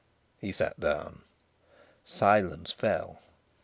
He sat down. Silence fell.